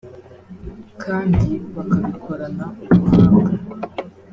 kandi bakabikorana ubuhanga